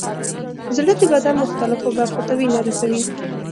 زړه د بدن مختلفو برخو ته وینه رسوي.